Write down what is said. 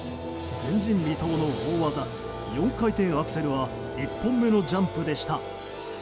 前人未到の大技４回転アクセルは１本目のジャンプでした。